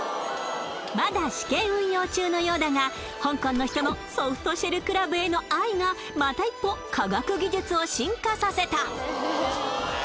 まだ試験運用中のようだが香港の人のソフトシェルクラブへの愛がまた一歩科学技術を進化させた。